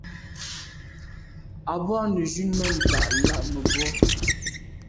A bwô neju’ men ntag là mebwô.